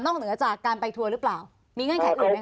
นอกเหนือจากการไปทัวร์หรือปล่าวมีเงื่อนไขอื่มั้ยคะ